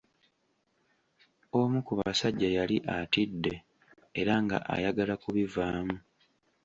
Omu ku basajja yali atidde era nga ayagala ku bivaamu.